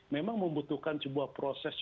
memang membutuhkan sebuah proses